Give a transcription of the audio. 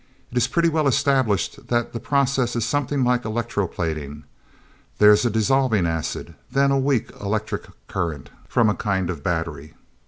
It is pretty well established that the process is something like electroplating. There's a dissolving acid then a weak electric current from a kind of battery...